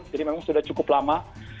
jadi memang sudah cukup lama